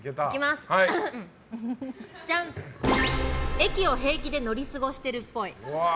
駅を平気で乗り過ごしてるっぽい。